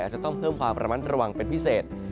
อาจจะต้องเพิ่มความระมัดระวังเป็นพิเศษ